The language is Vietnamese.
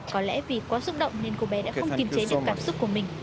có lẽ vì quá xúc động nên cô bé đã không kiềm chế được cảm xúc của mình